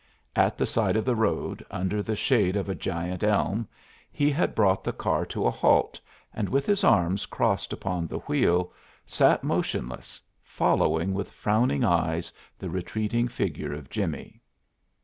At the side of the road, under the shade of a giant elm, he had brought the car to a halt and with his arms crossed upon the wheel sat motionless, following with frowning eyes the retreating figure of Jimmie.